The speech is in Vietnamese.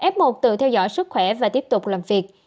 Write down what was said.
f một tự theo dõi sức khỏe và tiếp tục làm việc